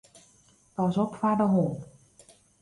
Pas op foar de hûn.